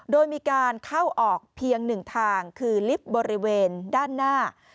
โดยมีการเข้าออกเพียงหนึ่งทางคือลิฟต์บริเวณด้านหน้า